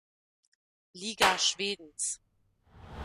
Liga Schwedens.